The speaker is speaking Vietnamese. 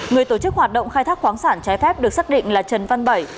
người tổ chức hoạt động khai thác khoáng sản trái phép được xác định là trần văn bảy